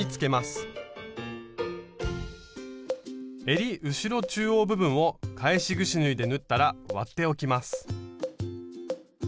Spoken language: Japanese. えり後ろ中央部分を返しぐし縫いで縫ったら割っておきます。